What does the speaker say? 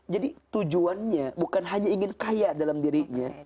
jadi tujuannya bukan hanya ingin kaya dalam dirinya